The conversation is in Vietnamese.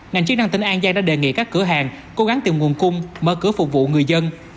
ngành chức năng tỉnh an giang đã đề nghị các cửa hàng cố gắng tìm nguồn cung mở cửa phục vụ người dân